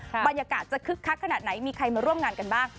บรรยากาศจะคึกคักขนาดไหนมีใครมาร่วมงานกันบ้าง